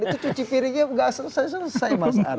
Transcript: itu cuci piringnya tidak selesai selesai mas ars